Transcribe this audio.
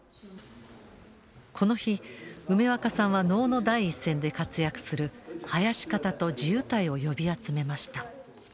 この日梅若さんは能の第一線で活躍する囃子方と地謡を呼び集めました。